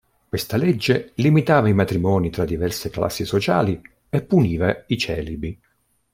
Questa legge limitava i matrimoni tra diverse classi sociali e puniva i celibi.